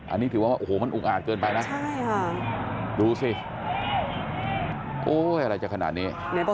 อันนี้ผมไม่รู้เหมือนกันครับ